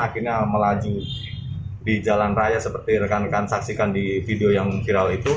akhirnya melaju di jalan raya seperti rekan rekan saksikan di video yang viral itu